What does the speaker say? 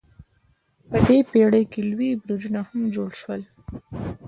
په دې پیړۍ کې لوی برجونه هم جوړ شول.